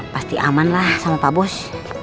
pasti aman lah sama pabos